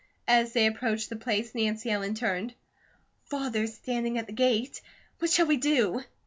As they approached the place Nancy Ellen turned. "Father's standing at the gate. What shall we do?"